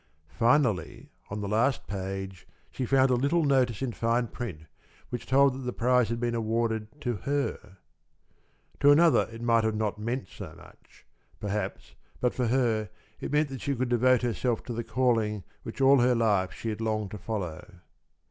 Finally, on the last page she found a little notice in fine print which told that the prize had been awarded to her. To another it might not have meant so much, perhaps, but for her it meant that she could devote herself to the calling which all her life she had longed to follow.